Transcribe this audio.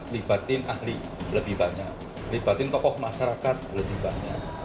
libatin ahli lebih banyak libatin tokoh masyarakat lebih banyak